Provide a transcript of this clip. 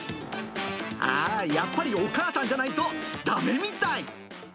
ああ、やっぱりお母さんじゃないとだめみたい。